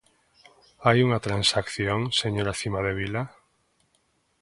¿Hai unha transacción, señora Cimadevila?